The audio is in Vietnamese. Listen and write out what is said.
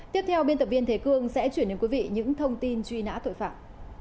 tiếp theo biên tập viên thế cương sẽ chuyển đến quý vị những thông tin truy nã tội phạm